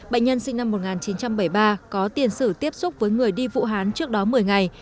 bệnh nhân sinh năm một nghìn chín trăm bảy mươi ba có tiền sử tiếp xúc với người đi vũ hán trước đó một mươi ngày